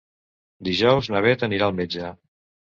Dijous na Bet anirà al metge.